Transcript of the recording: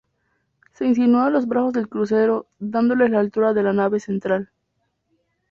Se insinúan los brazos del crucero, dándoles la altura de la nave central.